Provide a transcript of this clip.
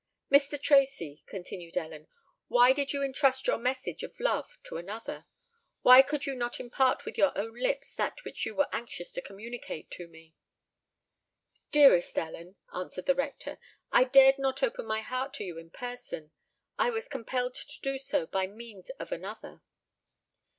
"Mr. Tracy," continued Ellen, "why did you entrust your message of love to another? why could you not impart with your own lips that which you were anxious to communicate to me?" "Dearest Ellen," answered the rector, "I dared not open my heart to you in person—I was compelled to do so by means of another."